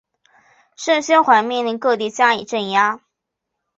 盛宣怀命令各地加以镇压。